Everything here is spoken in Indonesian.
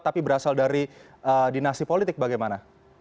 tapi berasal dari dinasti politik bagaimana